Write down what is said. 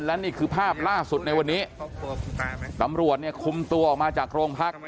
และนี่คือภาพล่าสุดในวันนี้ตำรวจเนี่ยคุมตัวออกมาจากโรงพัก